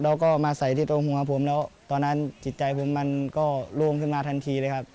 แล้วก็มาใส่ที่ตรงหัวผมแล้วตอนนั้นจิตใจผมมันก็ล่วงขึ้นมาทันทีเลยครับ